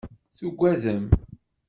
Tuggadem.